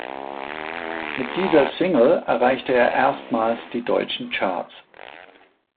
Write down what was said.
Mit dieser Single erreichte er erstmals die deutschen Charts.